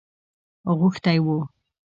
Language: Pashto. غوښتی وو.